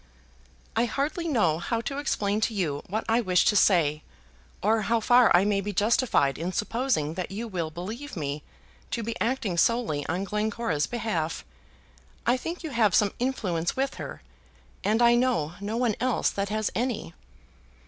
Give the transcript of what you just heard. "I hardly know how to explain to you what I wish to say, or how far I may be justified in supposing that you will believe me to be acting solely on Glencora's behalf. I think you have some influence with her; and I know no one else that has any."